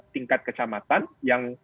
tingkat kecamatan yang